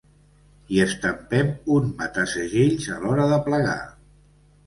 Hi estampem un mata-segells a l'hora de plegar.